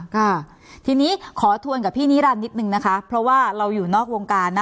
ค่ะทีนี้ขอทวนกับพี่นิรันดินิดนึงนะคะเพราะว่าเราอยู่นอกวงการนะ